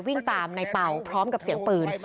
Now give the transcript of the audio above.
วิ่งตามในเป่าพร้อมกับเสียงปืน